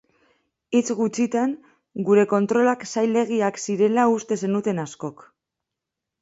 Hitz gutxitan, gure kontrolak zailegiak zirela uste zenuten askok.